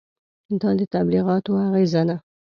دا د تبلیغاتو اغېزه ده.